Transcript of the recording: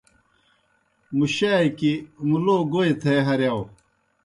مُشَاکیْ مُلو گوئی تھے ہرِیاؤ۔